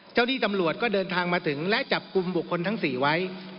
ที่ตำรวจก็เดินทางมาถึงและจับกลุ่มบุคคลทั้ง๔ไว้